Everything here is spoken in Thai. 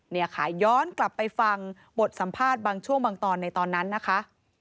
เนี่ยค่ะย้อนกลับไปฟังบทสัมภาษณ์บางช่วงบางตอนในตอนนั้นนะคะ